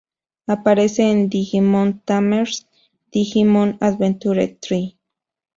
Aparece en "Digimon Tamers", "Digimon Adventure tri.